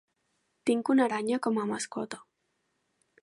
Tinc una aranya com a mascota.